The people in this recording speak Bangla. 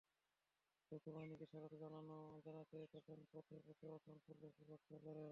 যৌথ বাহিনীকে স্বাগত জানাতে তখন পথে পথে অসংখ্য লোক অপেক্ষা করছিল।